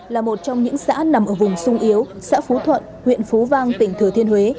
là một trong những xã nằm ở vùng sung yếu xã phú thuận huyện phú vang tỉnh thừa thiên huế